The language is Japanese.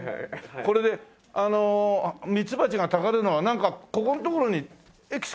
これであのミツバチがたかるのはなんかここのところにエキスかなんかつけてるんですか？